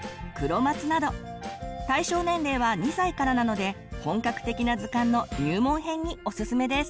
対象年齢は２歳からなので本格的な図鑑の入門編におすすめです。